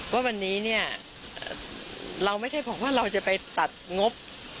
ว่าวันนี้เนี่ยเราไม่ได้บอกว่าเราจะไปตัดงบ